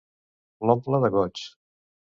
L'omple de goig.